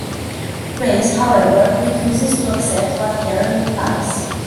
Grace, however, refuses to accept what Karen implies.